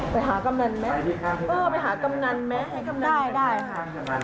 ไปหากำนันไหมเออไปหากำนันไหมได้ค่ะ